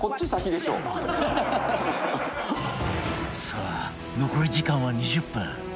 さあ残り時間は２０分